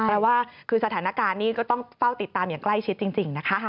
แปลว่าคือสถานการณ์นี้ก็ต้องเฝ้าติดตามอย่างใกล้ชิดจริงนะคะ